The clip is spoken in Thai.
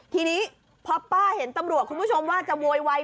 ทีนี้พอป้าเห็นตำรวจคุณผู้ชมว่าจะโวยวาย